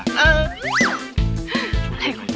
เฮ้ยคุณ